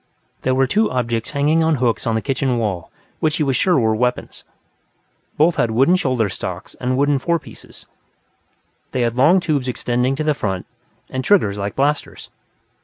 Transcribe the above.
There were two objects hanging on hooks on the kitchen wall which he was sure were weapons. Both had wooden shoulder stocks, and wooden fore pieces; they had long tubes extending to the front, and triggers like blasters.